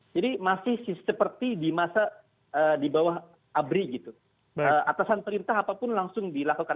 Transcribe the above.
jadi masih seperti di masa di bawah abri gitu atasan perintah apapun langsung dilakukan